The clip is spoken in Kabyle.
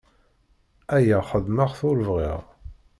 Aya xedmeɣ-t ur bɣiɣ.